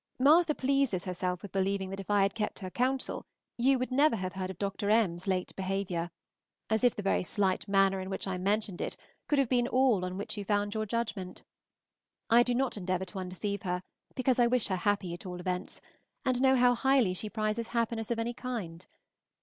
Martha pleases herself with believing that if I had kept her counsel you would never have heard of Dr. M.'s late behavior, as if the very slight manner in which I mentioned it could have been all on which you found your judgment. I do not endeavor to undeceive her, because I wish her happy, at all events, and know how highly she prizes happiness of any kind.